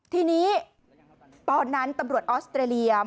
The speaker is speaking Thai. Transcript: ทีนี้ตอนนั้นตำรวจออสเตรเลีย